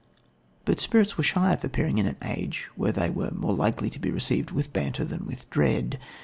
But spirits were shy of appearing in an age when they were more likely to be received with banter than with dread.